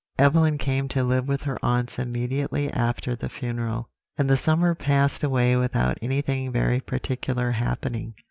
Evelyn came to live with her aunts immediately after the funeral; and the summer passed away without anything very particular happening.